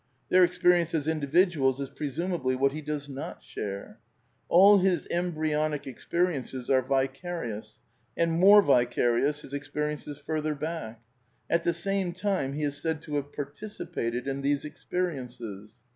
(Their experience as individuals is presumably what he does not share.) All his embryonic experiences are " vicarious," and more vicarious his experi ences further back. At the same time he is said to have " participated '^ in these experiences.